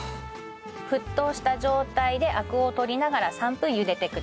沸騰した状態でアクを取りながら３分茹でてください。